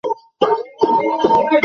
ভয় পেও না মানে কী?